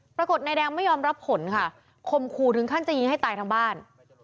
ปรากฏนายแดงไม่ยอมรับผลค่ะข่มขู่ถึงขั้นจะยิงให้ตายทั้งบ้าน